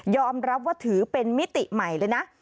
รับว่าถือเป็นมิติใหม่เลยนะ